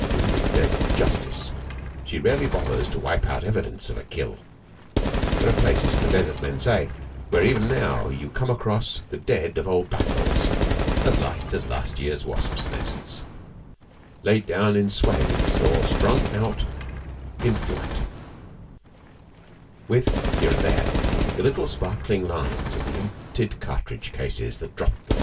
To do the Desert justice, she rarely bothers to wipe out evidence of a kill. There are places in the Desert, men say, where even now you come across the dead of old battles, all as light as last year's wasps' nests, laid down in swaths or strung out in flight, with, here and there, the little sparkling lines of the emptied cartridge cases that dropped them.